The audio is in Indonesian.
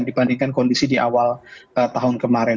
dibandingkan kondisi di awal tahun kemarin